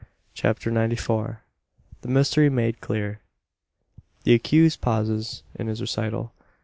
CHAPTER NINETY FOUR. THE MYSTERY MADE CLEAR. The accused pauses in his recital.